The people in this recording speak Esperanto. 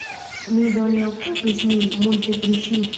Mi do ne okupis min multe pri ŝi.